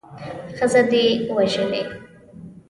ښځه دې وژلې.